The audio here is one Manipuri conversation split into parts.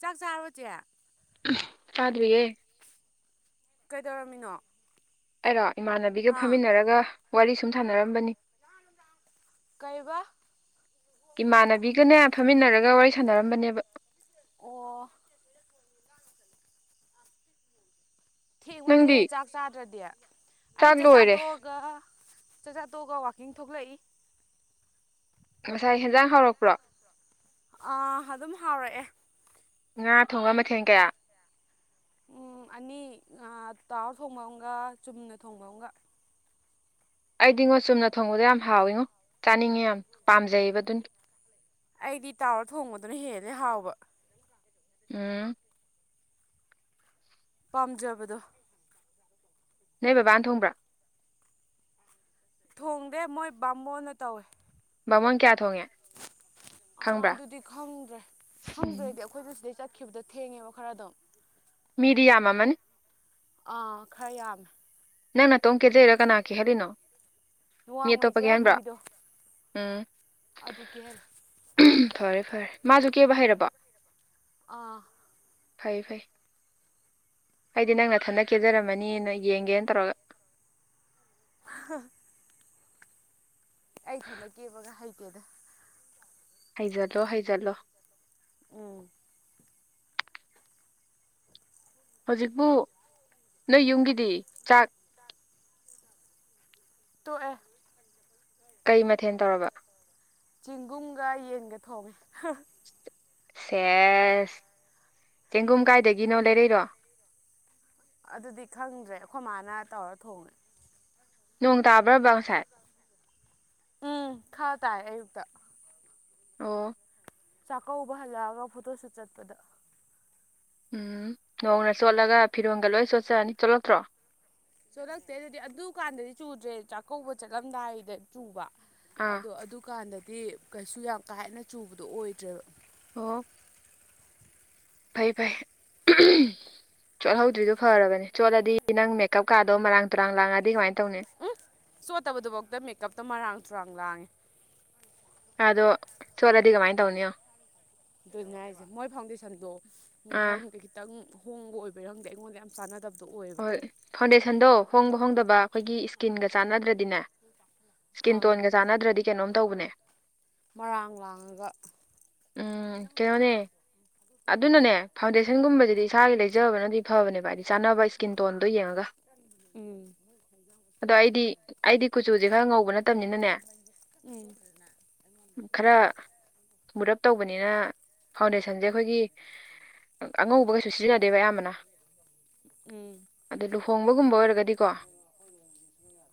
ꯆꯥꯛ ꯆꯥꯔꯕꯣ ꯆꯦ ꯆꯥꯗ꯭ꯔꯤꯌꯦ ꯀꯩꯗꯧꯔꯝꯃꯤꯅꯣ ꯑꯩꯔꯣ ꯏꯃꯥꯟꯅꯕꯤꯒ ꯑꯥ ꯐꯝꯃꯤꯟꯅꯔꯒ ꯋꯥꯔꯤ ꯁꯨꯝ ꯁꯥꯟꯅꯔꯝꯕꯅꯤ ꯀꯩꯕꯥ ꯏꯃꯥꯟꯅꯕꯤꯒꯅꯦ ꯐꯝꯃꯤꯟꯅꯔꯒ ꯋꯥꯔꯤ ꯁꯥꯟꯅꯔꯝꯕꯅꯦꯕ ꯑꯣ ꯊꯦꯡꯃꯜꯂꯦꯍꯦ ꯅꯪꯗꯤ ꯆꯥꯛ ꯆꯥꯗ꯭ꯔꯗꯤ ꯑꯩ ꯆꯥꯛ ꯆꯥꯛꯆꯥ ꯂꯣꯏꯔꯦ ꯇꯣꯛꯑ ꯒ ꯆꯥꯛꯆꯥꯥ ꯇꯣꯛꯑꯒ ꯋꯥꯀꯤꯡ ꯊꯣꯛꯂꯛꯏ ꯉꯁꯥꯏ ꯍꯦꯟꯖꯥꯡ ꯍꯥꯎꯔꯛꯄ꯭ꯔꯣ ꯑꯥ ꯑꯗꯨꯝ ꯍꯥꯎꯔꯛꯑꯦ ꯉꯥ ꯊꯣꯡꯕ ꯃꯊꯦꯟ ꯀꯌꯥ ꯎꯝ ꯑꯅꯤ ꯑ ꯇꯥꯎꯔ ꯊꯣꯡꯕ ꯑꯃꯒ ꯆꯨꯝꯅ ꯊꯣꯡꯕ ꯑꯃꯒ ꯑꯩꯗꯤꯉꯣ ꯆꯨꯝꯅ ꯊꯣꯡꯕꯗꯣ ꯌꯥꯝ ꯍꯥꯎꯏꯉꯣ ꯆꯥꯅꯤꯡꯉꯦ ꯌꯥꯝ ꯄꯥꯝꯖꯩꯌꯦꯕ ꯑꯗꯨꯅ ꯑꯩꯗꯤ ꯇꯥꯎꯔ ꯊꯣꯡꯕꯗꯨꯅ ꯍꯦꯜꯂꯦ ꯍꯥꯎꯕ ꯎꯝ ꯄꯥꯝꯖꯕꯗꯣ ꯅꯣꯏ ꯕꯕꯥꯅ ꯊꯣꯡꯕ꯭ꯔꯥ ꯊꯣꯡꯗꯦ ꯃꯣꯏ ꯕꯥꯃꯣꯟꯅ ꯇꯧꯋꯦ ꯕꯥꯃꯣꯟ ꯀꯌꯥ ꯊꯣꯡꯉꯦ ꯑꯥ ꯈꯪꯕ꯭ꯔꯥ ꯑꯗꯨꯗꯤ ꯈꯪꯗ꯭ꯔꯦ ꯎꯝ ꯈꯪꯗ꯭ꯔꯦꯗꯤ ꯑꯩꯈꯣꯏꯖꯨ ꯁꯤꯗꯩ ꯆꯠ ꯈꯤꯕꯗꯣ ꯊꯦꯡꯉꯦꯕ ꯈꯔ ꯑꯗꯨꯝ ꯃꯤꯗꯤ ꯌꯥꯝꯃꯝꯃꯅꯤ ꯑꯥ ꯈꯔ ꯌꯥꯝꯃꯦ ꯅꯪ ꯅꯇꯣꯝ ꯀꯦꯖꯩꯔꯥ ꯀꯅꯥ ꯀꯦꯍꯜꯂꯤꯅꯣ ꯃꯤ ꯋꯥꯡꯃꯩ ꯑꯇꯣꯞꯄ ꯆꯦ ꯀꯦꯍꯟꯕ꯭ꯔꯣ ꯌꯥꯏꯐꯕꯤꯗꯣ ꯎꯝ ꯑꯗꯨ ꯀꯦꯍꯜꯂꯤ ꯐꯔꯦ ꯐꯔꯦ ꯃꯥꯁꯨ ꯀꯦꯕ ꯍꯩꯔꯕꯣ ꯑꯥ ꯐꯩ ꯐꯩ ꯑꯩꯗꯤ ꯅꯪ ꯅꯊꯟꯗ ꯀꯦꯖꯔꯝꯃꯅꯤꯅ ꯌꯦꯡꯒꯦꯅ ꯇꯧꯔꯒ [unintelligible] ꯑꯩ ꯏꯊꯟꯇ ꯀꯦꯕꯒ ꯍꯩꯇꯦꯗ ꯍꯩꯖꯜꯂꯣ ꯍꯩꯖꯜꯂꯣ ꯎꯝ ꯍꯧꯖꯤꯛꯄꯨ ꯅꯣꯏ ꯌꯨꯝꯒꯤꯗꯤ ꯆꯥꯛ ꯇꯣꯛ ꯑꯦ ꯀꯩ ꯃꯊꯦꯜ ꯇꯧꯔꯕ ꯆꯦꯡꯒꯨꯝꯒ ꯌꯦꯟꯒ ꯊꯣꯡꯉꯦ ꯁꯦꯁ ꯆꯦꯡꯒꯨꯝ ꯀꯥꯏꯗꯒꯤꯅꯣ ꯂꯩꯔꯛꯏꯔꯣ ꯑꯗꯨꯗꯤ ꯈꯪꯗ꯭ꯔꯦ ꯑꯈꯣꯏ ꯃꯥꯅ ꯇꯧꯔ ꯊꯣꯡꯉꯦ ꯅꯣꯡ ꯇꯥꯕ꯭ꯔꯥꯕ ꯉꯁꯥꯏ ꯎꯝ ꯈꯥ ꯇꯥꯏ ꯑꯌꯨꯛꯇ ꯑꯣ ꯆꯥꯛꯀꯧꯕ ꯍꯜꯂꯛꯑꯒ ꯐꯣꯇꯣ ꯁꯨꯠ ꯆꯠꯄꯗꯣ ꯎꯝ ꯅꯣꯡꯅ ꯆꯣꯠꯂꯒ ꯐꯤꯔꯣꯟꯒ ꯂꯣꯏ ꯆꯣꯠꯆꯅꯤ ꯆꯣꯂꯛꯇ꯭ꯔꯣ ꯆꯣꯂꯛꯇꯦ ꯑꯗꯨꯗꯤ ꯑꯗꯨꯀꯥꯟꯗꯗꯤ ꯆꯨꯗ꯭ꯔꯦ ꯆꯥꯛꯀꯧꯕ ꯆꯠꯂꯝꯗꯥꯏꯗ ꯆꯨꯕ ꯑꯥ ꯑꯗꯨ ꯑꯗꯣ ꯑꯗꯨꯀꯥꯟꯗꯗꯤ ꯀꯩꯁꯨ ꯌꯥꯝ ꯀꯥ ꯍꯦꯟꯅ ꯆꯨꯕꯗꯣ ꯑꯣꯏꯗ꯭ꯔꯦꯕ ꯑꯣ ꯐꯩ ꯐꯩ ꯆꯣꯠꯍꯧꯗ꯭ꯔꯤꯗꯣ ꯐꯥꯔꯕꯅꯦ ꯆꯣꯠꯂꯗꯤ ꯅꯪ ꯃꯦꯛ ꯀꯞꯀꯥꯗꯣ ꯃꯔꯥꯡ ꯇꯨꯔꯥꯡ ꯂꯥꯡꯉꯗꯤ ꯀꯃꯥꯏ ꯇꯧꯅꯤ ꯎꯝ ꯆꯣꯠꯇꯕꯗꯨꯐꯧꯗ ꯃꯦꯛꯀꯞꯇꯣ ꯃꯔꯥꯡ ꯇꯨꯔꯥꯡ ꯂꯥꯡꯉꯦ ꯑꯗꯣ ꯆꯣꯠꯂꯗꯤ ꯀꯃꯥꯏ ꯇꯧꯅꯤ ꯌꯦꯡꯉꯣ ꯑꯗꯨꯅꯦ ꯍꯥꯏꯖꯦ ꯃꯣꯏ ꯐꯥꯎꯟꯗꯦꯁꯟꯗꯣ ꯑꯥ ꯈꯪꯗꯦ ꯈꯤꯇꯪ ꯍꯣꯡꯕ ꯑꯣꯏꯕꯩꯔ ꯈꯪꯗꯦ ꯑꯩꯉꯣꯟꯗ ꯌꯥꯝ ꯆꯥꯟꯅꯗꯕꯗꯣ ꯑꯣꯏꯌꯦꯕ ꯍꯣꯏ ꯐꯥꯎꯟꯗꯦꯁꯟꯗꯣ ꯍꯣꯡꯕ ꯍꯣꯡꯗꯕ ꯑꯩꯈꯣꯏꯒꯤ ꯏꯁꯀꯤꯟꯒ ꯆꯥꯟꯅꯗ꯭ꯔꯗꯤꯅꯦ ꯁꯀꯤꯟ ꯑꯥ ꯇꯣꯟꯒ ꯆꯥꯟꯅꯗ꯭ꯔꯗꯤ ꯀꯩꯅꯣꯝ ꯇꯧꯕꯅꯦ ꯃꯔꯥꯡ ꯂꯥꯡꯉꯒ ꯎꯝ ꯀꯩꯅꯣꯅꯦ ꯑꯗꯨꯅꯅꯦ ꯐꯥꯎꯟꯗꯦꯁꯟꯒꯨꯝꯕꯖꯤꯗꯤ ꯏꯁꯥꯒꯤ ꯂꯩꯖꯕꯅꯗꯤ ꯐꯥꯕꯅꯦꯕ ꯍꯥꯏꯗꯤ ꯆꯥꯅꯕ ꯏꯁ ꯀꯤꯟꯇꯣꯟꯗꯣ ꯌꯦꯡꯉꯒ ꯎꯝ ꯑꯗꯣ ꯑꯩꯗꯤ ꯑꯩꯗꯤ ꯀꯨꯆꯨꯖꯦ ꯈꯔ ꯉꯧꯕ ꯅꯠꯇꯝꯅꯤꯅꯅꯦ ꯎꯝ ꯈꯔ ꯃꯨꯔꯞ ꯇꯧꯕꯅꯤꯅ ꯐꯥꯎꯟꯗꯦꯁꯟꯁꯦ ꯑꯩꯈꯣꯏꯒꯤ ꯑꯥ ꯑꯉꯧꯕ ꯀꯩꯁꯨ ꯁꯤꯖꯤꯟꯅꯗꯦꯕ ꯑꯌꯥꯝꯕꯅ ꯎꯝ ꯑꯗꯣ ꯂꯨꯍꯣꯡꯕꯒꯨꯝꯕ ꯑꯣꯏꯔꯒꯗꯤꯀꯣ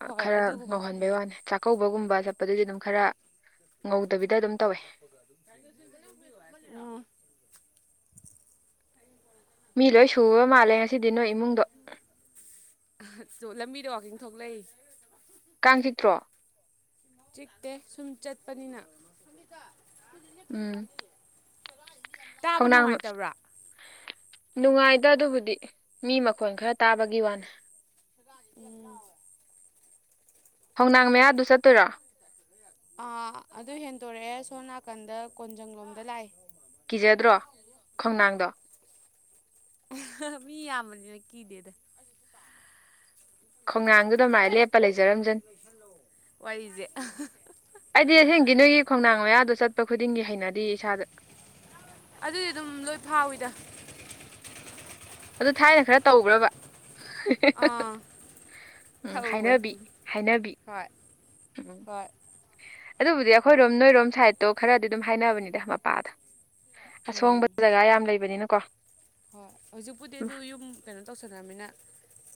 ꯍꯣꯏ ꯈꯔ ꯑꯗꯨꯒꯨꯝꯕꯗꯨꯗꯤ ꯉꯧꯍꯟꯕꯩ ꯋꯥꯅꯦ ꯆꯥꯛꯀꯧꯕꯒꯨꯝꯕ ꯆꯠꯄꯗꯗꯤ ꯑꯗꯨꯝ ꯈꯔ ꯉꯧꯗꯕꯤꯗ ꯑꯗꯨꯝ ꯇꯧꯋꯦ ꯑꯥ ꯃꯤ ꯂꯣꯏ ꯁꯨꯕ ꯃꯥꯜꯂꯦ ꯉꯁꯤꯗꯤ ꯅꯣꯏ ꯏꯃꯨꯡꯗꯣ ꯑꯥ ꯆꯣ ꯂꯝꯕꯤꯗ ꯋꯥꯀꯤꯡ ꯊꯣꯛꯂꯛꯏ ꯀꯥꯡ ꯆꯤꯛꯇ꯭ꯔꯣ ꯆꯤꯛꯇꯦ ꯁꯨꯝ ꯆꯠꯄꯅꯤꯅ ꯎꯝ ꯇꯥꯕ ꯈꯣꯡꯅꯥꯡ ꯅꯨꯡꯉꯥꯏꯇꯕ꯭ꯔꯥ ꯅꯨꯡꯉꯥꯏ ꯗ ꯑꯗꯨꯕꯨꯗꯤ ꯃꯤ ꯃꯈꯣꯟ ꯈꯔ ꯇꯥꯕꯒꯤ ꯋꯥꯅꯦ ꯑꯝ ꯍꯧꯅꯥꯡ ꯃꯌꯥꯗꯨ ꯆꯠꯇꯣꯏꯔꯣ ꯑ ꯑꯗꯨ ꯍꯦꯟꯗꯣꯔꯛꯑꯦ ꯁꯣꯝ ꯅꯥꯀꯟꯗ ꯀꯣꯟꯖꯪ ꯂꯣꯝꯗ ꯂꯥꯛꯏ ꯀꯤꯖꯗ꯭ꯔꯣ ꯈꯣꯡꯅꯥꯡꯗꯣ ꯃꯤ ꯌꯥꯝꯕꯅꯤꯅ ꯀꯤꯗꯦꯗ ꯈꯣꯡꯅꯥꯡꯗꯨꯗ ꯃꯥꯏ ꯂꯦꯞꯄ ꯂꯩꯖꯔꯝꯖꯅꯤ ꯋꯥꯔꯤꯁꯦ ꯑꯩꯗꯤ ꯑꯁꯦꯡꯒꯤ ꯅꯣꯏꯒꯤ ꯈꯣꯡꯅꯥꯡ ꯃꯌꯥꯗꯣ ꯆꯠꯄ ꯈꯨꯗꯤꯡꯒꯤ ꯍꯩꯅꯗꯤꯌꯦ ꯏꯁꯥꯗ ꯑꯗꯨꯗꯤ ꯑꯗꯨꯝ ꯂꯣꯏ ꯐꯥꯎꯋꯤꯗ ꯑꯗꯣ ꯊꯥꯏꯅ ꯈꯔ ꯇꯧꯕ꯭ꯔꯕ ꯑꯥ ꯎꯝ ꯊꯛꯎꯕꯅꯤ ꯍꯥꯏꯅꯕꯤ ꯍꯥꯏꯅꯕꯤ ꯍꯣꯏ ꯎꯝ ꯍꯣꯏ ꯑꯗꯨꯕꯨꯗꯤ ꯑꯩꯈꯣꯏꯔꯣꯝ ꯅꯣꯏꯔꯣꯝ ꯁꯥꯏꯠꯇꯣ ꯈꯔꯗꯤ ꯑꯗꯨꯝ ꯍꯥꯏꯅꯕꯅꯤꯗ ꯃꯄꯥꯗꯣ ꯑꯁꯣꯡꯕ ꯎꯝ ꯖꯒꯥ ꯌꯥꯝ ꯂꯩꯕꯅꯤꯅ ꯀꯣ ꯍꯣꯏ ꯍꯧꯖꯤꯛꯄꯨꯗꯤ ꯑꯗꯨ ꯌꯨꯝ ꯀꯩꯅꯣ ꯇꯧꯁꯜꯂꯃꯤꯅ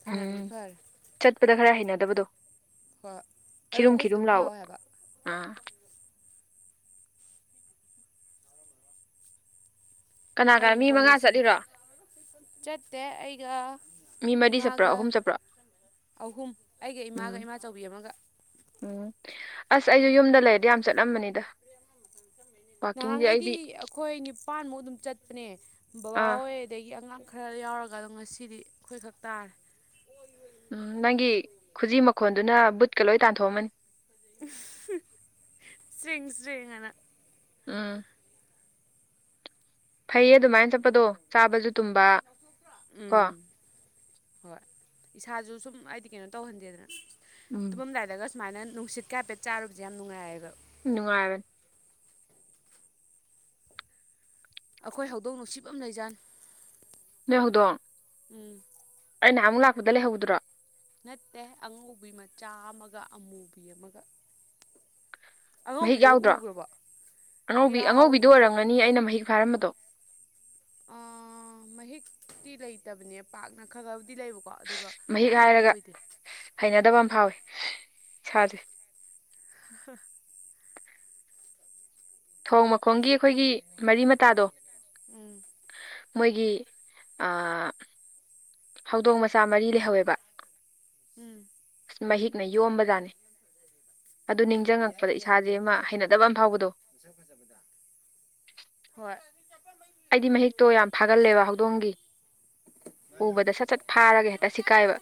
ꯐꯅꯌꯥꯝꯗꯤ ꯎꯝ ꯐꯔꯦ ꯆꯠꯄꯗ ꯈꯔ ꯍꯩꯅꯗꯕꯗꯣ ꯍꯣꯏ ꯑꯗꯣ ꯈꯤꯔꯨꯝ ꯑꯩꯈꯣꯏꯁꯨ ꯈꯤꯔꯨꯝ ꯑꯗꯨꯝ ꯂꯥꯎꯕ ꯐꯥꯎꯋꯦ ꯍꯥꯏꯕ ꯑꯥ ꯀꯅꯥ ꯀꯅꯥ ꯍꯌꯦꯡ ꯃꯤ ꯃꯉꯥ ꯀꯣꯂꯦꯖ ꯑꯃꯨꯛ ꯆꯠꯂꯤꯔꯣ ꯆꯠꯇꯦ ꯑꯩꯒ ꯃꯤ ꯃꯔꯤ ꯆꯠꯄ꯭ꯔꯣ ꯏꯃꯥꯒ ꯑꯍꯨꯝ ꯆꯠꯄ꯭ꯔꯣ ꯑꯍꯨꯝ ꯑꯩꯒ ꯏꯃꯥꯒ ꯎꯝ ꯏꯃꯥꯆꯧꯕꯤ ꯑꯃꯒ ꯎꯝ ꯑꯁ ꯑꯩꯁꯨ ꯌꯨꯝꯗ ꯂꯩꯔꯗꯤ ꯌꯥꯝ ꯆꯠꯂꯝꯕꯅꯤꯗ ꯋꯥꯛꯀꯤꯡꯁꯦ ꯅꯍꯥꯟꯒꯩꯗꯤ ꯑꯩꯗꯤ ꯑꯩꯈꯣꯏ ꯅꯤꯄꯥꯟꯃꯨꯛ ꯑꯗꯨꯝ ꯆꯠꯄꯅꯦ ꯑꯥ ꯕꯕꯥꯍꯣꯏ ꯑꯗꯩꯒꯤ ꯑꯉꯥꯡ ꯈꯔ ꯌꯥꯎꯔꯒ ꯑꯗꯨ ꯉꯁꯤꯗꯤ ꯑꯩꯈꯣꯏꯈꯛ ꯇꯥꯔꯦ ꯎꯝ ꯅꯪꯒꯤ ꯈꯨꯖꯤ ꯃꯈꯣꯟꯗꯨꯅ ꯕꯨꯠꯀ ꯂꯣꯏ ꯇꯥꯟꯊꯣꯛꯑꯝꯃꯅꯤ ꯎꯍꯨꯝ ꯆ꯭ꯔꯤꯡ ꯆ꯭ꯔꯤꯡ ꯑꯅ ꯎꯝ ꯐꯩꯌꯦ ꯑꯗꯨꯃꯥꯏꯅ ꯆꯠꯄꯗꯣ ꯆꯥꯕꯁꯨ ꯇꯨꯝꯕ ꯀꯣ ꯎꯝ ꯍꯣꯏ ꯏꯁꯥꯖꯨ ꯁꯨꯝ ꯍꯥꯏꯗꯤ ꯀꯩꯅꯣ ꯇꯧꯍꯟꯗꯦꯗꯅ ꯎꯝ ꯇꯨꯝꯃꯝꯗꯥꯏꯗꯒ ꯁꯨꯃꯥꯏꯅ ꯅꯨꯡꯁꯤꯠꯀ ꯍꯥꯏꯐꯦꯠ ꯆꯥꯔꯨꯕꯁꯦ ꯌꯥꯝ ꯅꯨꯡꯉꯥꯏꯑꯌꯦꯕ ꯅꯨꯡꯉꯥꯏꯕꯅꯦ ꯑꯩꯈꯣꯏ ꯍꯧꯗꯣꯡ ꯅꯨꯡꯁꯤꯕ ꯑꯃ ꯂꯩꯖꯥꯅꯦ ꯅꯣꯏ ꯍꯧꯗꯣꯡ ꯎꯝ ꯑꯩ ꯅꯍꯥꯟꯃꯨꯛ ꯂꯥꯛꯄꯗ ꯂꯩꯍꯧꯕꯗꯨꯔꯣ ꯅꯠꯇꯦ ꯑꯉꯧꯕꯤ ꯃꯆꯥ ꯑꯃꯒ ꯑꯃꯨꯕꯤ ꯑꯃꯒ ꯃꯍꯤꯛ ꯑꯉꯧꯕꯤꯗꯣ ꯌꯥꯎꯗ꯭ꯔꯣ ꯎꯈ꯭ꯔꯕꯣ ꯑꯉꯧꯕꯤ ꯌꯥꯎ ꯑꯉꯧꯕꯤꯗꯣ ꯑꯣꯏꯔꯝꯒꯅꯤ ꯑꯩꯅ ꯃꯍꯤꯛ ꯐꯥꯔꯝꯕꯗꯣ ꯑ ꯃꯍꯤꯛꯇꯤ ꯂꯩꯇꯕꯅꯦ ꯄꯥꯛꯅ ꯈꯔ ꯈꯕꯨꯗꯤ ꯂꯩꯕꯀꯣ ꯑꯗꯨꯒ ꯃꯍꯤꯛ ꯃꯌꯥꯝ ꯂꯩꯕꯗꯤ ꯍꯥꯏꯔꯒ ꯑꯣꯏꯗꯦ ꯍꯩꯅꯗꯕ ꯑꯃ ꯐꯥꯎꯋꯦ ꯏꯁꯥꯖꯦ [unintelligible] ꯊꯣꯡ ꯃꯈꯣꯡꯒꯤ ꯑꯩꯈꯣꯏꯒꯤ ꯃꯔꯤ ꯃꯇꯥꯗꯣ ꯎꯝ ꯃꯣꯏꯒꯤ ꯑ ꯍꯧꯗꯣꯡ ꯃꯆꯥ ꯃꯔꯤ ꯂꯩꯍꯧꯋꯦꯕ ꯎꯝ ꯑꯁ ꯃꯍꯤꯛꯅ ꯌꯣꯝꯕꯖꯥꯠꯅꯦ ꯑꯗꯨ ꯅꯤꯡꯁꯤꯡꯉꯛꯄꯗ ꯏꯁꯥꯖꯦ ꯑꯃ ꯍꯩꯅꯗꯕ ꯑꯃ ꯐꯥꯎꯕꯗꯣ ꯐꯖ ꯐꯖꯕꯗ ꯍꯣꯏ ꯑꯩꯗꯤ ꯃꯍꯤꯛꯇꯣ ꯌꯥꯝ ꯐꯥꯒꯜꯂꯦꯕ ꯍꯧꯗꯣꯡꯒꯤ ꯎꯕꯗ ꯁꯠ ꯁꯠ ꯐꯥꯔꯒꯦ ꯍꯦꯛꯇ ꯁꯤꯠꯀꯥꯏꯕ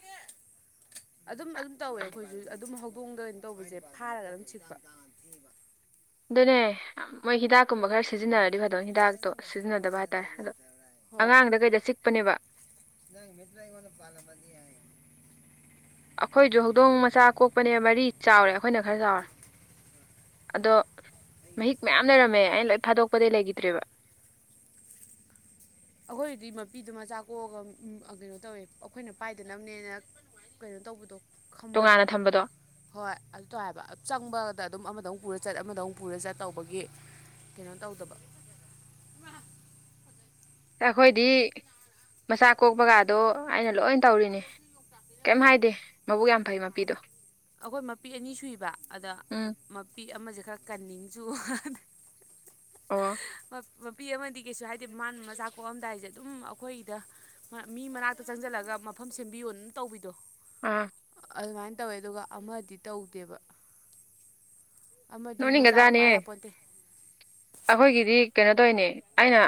ꯑꯗꯨꯝ ꯑꯗꯨꯝ ꯇꯧꯋꯦ ꯑꯩꯈꯣꯏꯁꯨ ꯑꯗꯨꯝ ꯍꯧꯗꯣꯡꯗ ꯀꯩꯅꯣ ꯇꯧꯕꯁꯦ ꯐꯥꯔꯒ ꯑꯗꯨꯝ ꯁꯤꯛꯄ ꯑꯗꯨꯅꯦ ꯃꯣꯏ ꯍꯤꯗꯥꯛꯀꯨꯝꯕ ꯈꯔ ꯁꯤꯖꯤꯟꯅꯔꯗꯤ ꯐꯗꯣꯏ ꯍꯤꯗꯥꯛꯇꯣ ꯁꯤꯖꯤꯟꯅꯗꯕ ꯍꯥꯏꯇꯥꯔꯦ ꯑꯗꯣ ꯑꯉꯥꯡꯗ ꯀꯩꯗ ꯆꯤꯛꯄꯅꯦꯕ ꯅꯪ ꯃꯤꯠꯇꯨꯅ ꯑꯩꯉꯣꯟꯗꯅ ꯄꯥꯜꯂꯝꯃꯗꯤ ꯍꯥꯏ ꯑꯣ ꯑꯩꯈꯣꯏꯖꯨ ꯍꯧꯗꯣꯡ ꯃꯆꯥ ꯀꯣꯛꯄꯅꯦ ꯃꯔꯤ ꯆꯥꯎꯔꯦ ꯑꯩꯈꯣꯏꯅ ꯈꯔ ꯆꯥꯎꯔꯦ ꯑꯗꯣ ꯃꯍꯤꯛ ꯃꯌꯥꯝ ꯂꯩꯔꯝꯃꯦ ꯑꯩꯅ ꯂꯣꯏ ꯐꯥꯗꯣꯛꯄꯗꯩ ꯂꯩꯒꯤꯗ꯭ꯔꯦꯕ ꯑꯩꯈꯣꯏꯒꯤꯗꯤ ꯃꯄꯤꯗꯨ ꯃꯆꯥ ꯀꯣꯛꯑꯒ ꯎꯝ ꯑ ꯀꯩꯅꯣ ꯇꯧꯋꯦ ꯑꯩꯈꯣꯏꯅ ꯄꯥꯏꯗꯅꯕꯅꯦꯅ ꯀꯩꯅꯣ ꯇꯧꯕꯗꯣ ꯇꯣꯉꯥꯟꯅ ꯈꯝꯕꯟꯕꯗꯣ ꯊꯝꯕꯗꯣ ꯍꯣꯏ ꯑꯗꯨ ꯇꯧꯑꯦ ꯍꯥꯏꯕ ꯆꯪꯕꯗ ꯑꯗꯨꯝ ꯑꯃꯗꯃꯨꯛ ꯄꯨꯔ ꯆꯠ ꯑꯃꯗꯃꯨꯛ ꯄꯨꯔ ꯆꯠ ꯇꯧꯕꯒꯤ ꯀꯩꯅꯣ ꯇꯧꯗꯕ ꯑ ꯑꯩꯈꯣꯏꯗꯤ ꯃꯆꯥ ꯀꯣꯛꯄꯒꯗꯣ ꯑꯩꯅ ꯂꯣꯏ ꯇꯧꯔꯤꯅꯤ ꯀꯩꯝ ꯍꯥꯏꯗꯦ ꯃꯕꯨꯛ ꯌꯥꯝ ꯐꯩ ꯃꯄꯤꯗꯣ ꯑꯩꯈꯣꯏ ꯃꯄꯤ ꯑꯅꯤ ꯁꯨꯏꯕ ꯑꯗ ꯎꯝ ꯃꯄꯤ ꯑꯃꯁꯦ ꯈꯔ ꯀꯟꯅꯤꯡ ꯆꯨꯕ ꯑꯣ ꯃꯄꯤ ꯑꯃꯗꯤ ꯀꯩꯁꯨ ꯍꯥꯏꯗꯦ ꯃꯥꯅ ꯃꯆꯥ ꯀꯣꯛꯑꯝꯗꯥꯏꯁꯦ ꯑꯗꯨꯝ ꯑꯩꯈꯣꯏꯗ ꯃꯤ ꯃꯅꯥꯛꯇ ꯆꯪꯁꯤꯜꯂꯒ ꯃꯐꯝ ꯁꯦꯝꯕꯤꯌꯣꯅ ꯑꯗꯨꯝ ꯇꯧꯕꯤꯗꯣ ꯑꯥ ꯑꯗꯨꯃꯥꯏꯅ ꯇꯧꯋꯦ ꯑꯗꯨꯒ ꯑꯃꯗꯤ ꯇꯧꯗꯦꯕ ꯑꯃꯗꯤ ꯃꯆꯥꯒ ꯅꯣꯛꯅꯤꯡꯒꯖꯥꯠꯅꯦ ꯄꯥꯏ ꯌꯥꯄꯣꯟꯇꯦ ꯑꯩꯈꯣꯏꯒꯤꯗꯤ ꯀꯩꯅꯣ ꯇꯧꯅꯦ ꯑꯩꯅ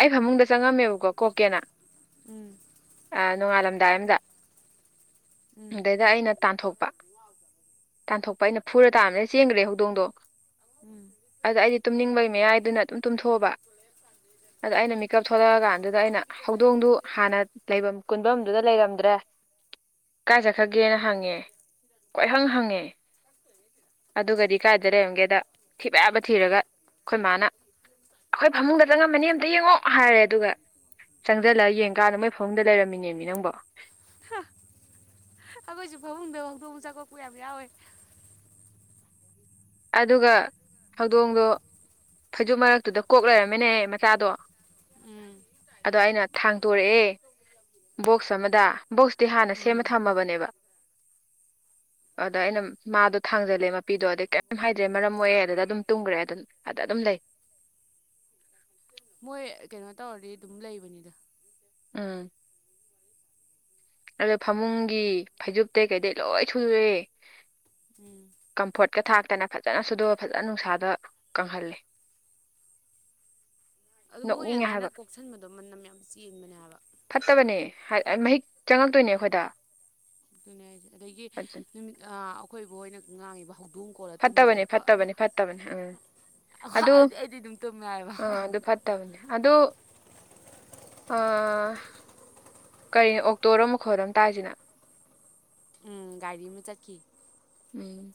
ꯑꯩ ꯐꯃꯨꯡꯗ ꯆꯪꯉꯝꯃꯦꯕꯀꯣ ꯀꯣꯛꯀꯦꯅ ꯎꯝ ꯑ ꯅꯣꯡꯉꯥꯜꯂꯝꯗꯥꯏ ꯑꯝꯗ ꯎꯝ ꯑꯗꯩꯗ ꯑꯩꯅ ꯇꯥꯟꯊꯣꯛꯄ ꯇꯥꯟꯊꯣꯛꯄ ꯑꯩꯅ ꯐꯨꯔ ꯇꯥꯕꯗꯩ ꯆꯦꯟꯈ꯭ꯔꯦ ꯍꯧꯗꯣꯡꯗꯣ ꯎꯝ ꯑꯗ ꯑꯩꯗꯤ ꯇꯨꯝꯅꯤꯡꯕꯒꯤ ꯃꯌꯥꯏꯗꯨꯅ ꯑꯗꯨꯝ ꯇꯨꯝꯊꯣꯛꯑꯕ ꯑꯗ ꯑꯩꯅ ꯃꯤꯀꯞ ꯊꯣꯛꯂꯛꯑꯀꯥꯟꯗꯨꯗ ꯑꯩꯅ ꯍꯧꯗꯣꯡꯗꯨ ꯍꯥꯟꯅ ꯂꯩꯐꯝ ꯀꯨꯟꯕꯝꯗꯨꯗ ꯂꯩꯔꯝꯗ꯭ꯔꯦ ꯀꯥꯏ ꯆꯠꯈ꯭ꯔꯒꯦꯅ ꯍꯪꯉꯦ ꯀꯣꯏꯍꯪ ꯍꯪꯉꯦ ꯑꯗꯨꯒꯗꯤ ꯀꯥꯏꯗ ꯂꯩꯔꯝꯒꯦꯗ ꯊꯤꯕ ꯌꯥꯕ ꯊꯤꯔꯒ ꯑꯩꯈꯣꯏ ꯃꯥꯅ ꯑꯩꯈꯣꯏ ꯐꯃꯨꯡꯗ ꯆꯪꯉꯝꯕꯅꯦ ꯑꯝꯇ ꯌꯦꯡꯉꯣ ꯍꯥꯏꯔꯦ ꯑꯗꯨꯒ ꯆꯪꯁꯤꯜꯂꯒ ꯌꯦꯡ ꯀꯥꯟꯗ ꯃꯣꯏ ꯐꯃꯨꯡꯗ ꯂꯩꯔꯝꯃꯤꯅꯦꯃꯤ ꯅꯪꯕꯣ ꯍꯥ ꯑꯩꯈꯣꯏꯖꯨ ꯐꯃꯨꯡꯗ ꯍꯧꯗꯣꯡ ꯃꯆꯥ ꯀꯣꯛꯄ ꯌꯥꯝ ꯌꯥꯎꯋꯦ ꯑꯗꯨꯒ ꯍꯧꯗꯣꯡꯗꯣ ꯐꯩꯖꯨꯞ ꯃꯔꯛꯇꯨꯗ ꯀꯣꯛ ꯂꯩꯔꯝꯃꯤꯅꯦꯍꯦ ꯃꯆꯥꯗꯣ ꯎꯝ ꯑꯗꯣ ꯑꯩꯅ ꯊꯥꯡꯇꯣꯔꯛꯑꯦ ꯕꯣꯛꯁ ꯑꯃꯗ ꯕꯣꯛꯁꯇꯤ ꯍꯥꯟꯅ ꯁꯦꯝꯃ ꯎꯝ ꯊꯝꯃꯕꯅꯦꯕ ꯑꯗ ꯑꯩꯅ ꯃꯥꯗꯣ ꯊꯥꯡꯖꯜꯂꯦ ꯃꯄꯤꯗꯣ ꯑꯗꯩ ꯑꯗꯨꯝ ꯍꯥꯏꯗ꯭ꯔꯦ ꯃꯔꯝ ꯃꯣꯛꯑꯦ ꯑꯗꯨꯗ ꯑꯗꯨꯝ ꯇꯨꯝꯈ꯭ꯔꯦ ꯑꯗꯨꯝ ꯑꯗ ꯑꯗꯨꯝ ꯂꯩ ꯃꯣꯏ ꯀꯩꯅꯣ ꯇꯧꯔꯗꯤ ꯑꯗꯨꯝ ꯂꯩꯕꯅꯤꯗ ꯎꯝ ꯑꯗꯨꯗ ꯐꯃꯨꯡꯒꯤ ꯐꯩꯖꯨꯞꯇꯩ ꯀꯩꯗꯩ ꯂꯣꯏ ꯁꯨꯔꯦ ꯎꯝ ꯀꯝꯐꯣꯔꯠꯀ ꯊꯥꯛꯇꯅ ꯐꯖꯅ ꯁꯨꯗꯣꯛꯑ ꯐꯖꯅ ꯅꯨꯡꯁꯥꯗ ꯀꯪꯍꯜꯂꯦ ꯑꯗꯨ ꯃꯣꯏ ꯅꯣꯛꯅꯤꯡꯉꯦ ꯑꯗꯨꯃꯥꯏꯅ ꯍꯥꯏꯕ ꯀꯣꯛꯁꯟꯕꯗꯣ ꯃꯅꯝ ꯌꯥꯝ ꯆꯦꯟꯕꯅꯦ ꯍꯥꯏꯕ ꯐꯠꯇꯕꯅꯦ ꯍ ꯃꯍꯤꯛ ꯆꯪꯉꯛꯇꯣꯏꯅꯦ ꯑꯩꯈꯣꯏꯗ ꯑꯗꯨꯅꯦ ꯍꯥꯏꯖꯦ ꯑꯗꯒꯤ ꯅꯨꯃꯤꯠ ꯑ ꯑꯩꯈꯣꯏꯕꯣꯛꯍꯣꯏꯅ ꯉꯥꯡꯉꯤꯕ ꯍꯧꯗꯣꯡ ꯈꯣꯡ ꯀꯣꯜꯂ ꯇꯨꯝꯕꯖꯦ ꯐꯠꯇꯕꯅꯦ ꯑꯗꯣ ꯐꯠꯇꯕꯅꯦ ꯐꯠꯇꯕꯅꯦ ꯎꯝ ꯑꯩꯗꯤ ꯑꯩꯗꯤ ꯑꯗꯨꯝ ꯇꯨꯝꯃꯦ ꯍꯥꯏꯕ ꯇꯕꯅꯦ ꯑꯗꯣ ꯑ ꯀꯔꯤ ꯑꯣꯛꯇꯣꯔ ꯃꯈꯣꯜ ꯑꯃ ꯇꯥꯏꯖꯤꯅ ꯎꯝ ꯒꯥꯔꯤ ꯑꯃ ꯆꯠꯈꯤ ꯎꯝ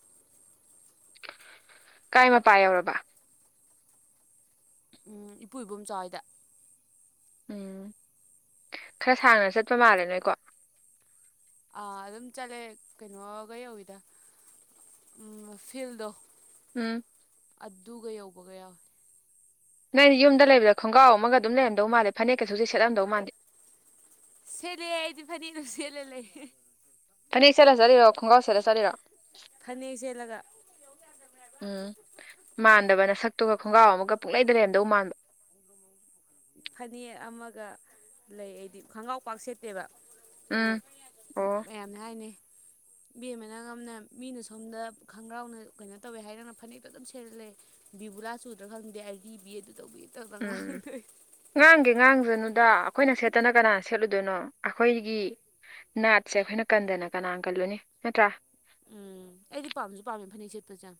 ꯀꯥꯏ ꯃꯄꯥ ꯌꯧꯔꯕ ꯎꯝ ꯏꯄꯨ ꯏꯕꯣꯝꯆꯥ ꯍꯣꯏꯗ ꯎꯝ ꯈꯔ ꯁꯥꯡꯅ ꯆꯠꯄ ꯃꯥꯜꯂꯦ ꯅꯣꯏꯀꯣ ꯑꯥ ꯑꯗꯨꯝ ꯆꯠꯂꯦ ꯀꯩꯅꯣꯒ ꯌꯧꯋꯤꯗ ꯎꯝ ꯐꯤꯜꯗꯣ ꯎꯝ ꯑꯗꯨꯒ ꯌꯧꯕꯒ ꯌꯥꯎꯑꯦ ꯅꯪꯗꯤ ꯌꯨꯝꯗ ꯂꯩꯕꯗ ꯈꯣꯡꯒꯥꯎ ꯑꯃꯒ ꯑꯗꯨꯝ ꯂꯩꯔꯝꯗꯧ ꯃꯥꯜꯂꯦ ꯐꯅꯦꯛꯀ ꯁꯨꯡꯁꯦꯠ ꯁꯦꯠꯂꯝꯗꯧ ꯃꯥꯟꯗꯦ ꯁꯦꯠꯂꯦ ꯑꯩꯗꯤ ꯐꯅꯦꯛ ꯑꯗꯨꯝ ꯁꯦꯠꯂꯥ ꯂꯩ ꯐꯅꯦꯛ ꯁꯦꯠꯂ ꯆꯠꯂꯤꯔꯣ ꯈꯣꯡꯒꯥꯎ ꯁꯦꯠꯂ ꯆꯠꯂꯤꯔꯣ ꯐꯅꯦꯛ ꯁꯦꯠꯂꯒ ꯌꯧ ꯌꯥꯗꯕꯅꯦ ꯍꯥꯏꯕ ꯎꯝ ꯃꯥꯟꯗꯕ ꯅꯁꯛꯇꯨꯒ ꯈꯣꯡꯒꯥꯎ ꯑꯃꯒ ꯄꯨꯡꯂꯩꯗ ꯂꯩꯔꯝꯗꯧ ꯃꯥꯟꯕ ꯐꯅꯦꯛ ꯑꯃꯒ ꯂꯩ ꯑꯩꯗꯤ ꯈꯪꯒꯥꯎ ꯄꯥꯛ ꯁꯦꯠꯇꯦꯕ ꯑ ꯎꯝ ꯑꯣ ꯃꯌꯥꯝꯅ ꯍꯥꯏꯅꯦ ꯏꯕꯦꯝꯃ ꯅꯪ ꯑꯃꯅ ꯃꯤꯅ ꯁꯣꯝꯗ ꯈꯣꯡꯒ꯭ꯔꯥꯎꯅ ꯀꯩꯅꯣ ꯇꯧꯋꯦ ꯍꯥꯏꯔ ꯅꯪꯅ ꯐꯅꯦꯛꯇ ꯑꯗꯨꯝ ꯁꯦꯠꯂ ꯂꯩ ꯕꯤꯕꯨꯂꯥ ꯆꯨꯗ꯭ꯔꯥ ꯈꯪꯗꯦ ꯑꯩꯔꯤꯕꯤ ꯑꯗꯨ ꯇꯧꯕꯤ ꯇꯧꯗ꯭ꯔ ꯎꯝ ꯉꯥꯡꯗꯣꯏ ꯉꯥꯡꯒꯦ ꯉꯥꯡꯖꯅꯨꯗ ꯑꯩꯈꯣꯏꯅ ꯁꯦꯠꯇꯅ ꯀꯅꯥꯅ ꯁꯦꯠꯂꯨꯗꯣꯏꯅꯣ ꯑꯈꯣꯏꯒꯤ ꯅꯥꯠꯁꯦ ꯑꯈꯣꯏꯅ ꯀꯟꯗꯅ ꯀꯅꯥ ꯀꯜꯂꯨꯅꯤ ꯅꯠꯇ꯭ꯔꯥ ꯎꯝ ꯑꯩꯗꯤ ꯄꯥꯝꯖꯨ ꯄꯥꯝꯃꯦ ꯐꯅꯦꯛ ꯁꯦꯠꯄꯁꯦ ꯌꯥꯝ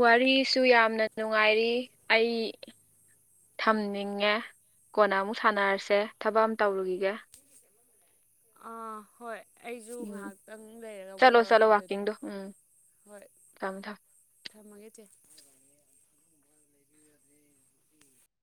ꯋꯥꯔꯤꯁꯨ ꯌꯥꯝꯅ ꯅꯨꯡꯉꯥꯏꯔꯤ ꯑꯩ ꯊꯝꯅꯤꯡꯉꯦ ꯀꯣꯟꯅ ꯑꯃꯨꯛ ꯁꯥꯟꯅꯔꯁꯦ ꯊꯕꯛ ꯑꯃ ꯇꯧꯔꯨꯒꯤꯒꯦ ꯑꯥ ꯍꯣꯏ ꯑꯩꯖꯨ ꯎꯝ ꯉꯥꯍꯥꯛꯇꯪ ꯂꯩꯔꯒ ꯑꯃꯨꯛ ꯆꯠꯂꯣ ꯆꯠꯂꯣ ꯇꯧꯔꯛꯀꯦ ꯑꯗꯨꯗꯤ ꯋꯥꯛꯀꯤꯡꯗꯣ ꯎꯝ ꯍꯣꯏ ꯊꯝꯃꯣ ꯊꯝꯃꯣ ꯊꯝꯃꯒꯦ ꯆꯦ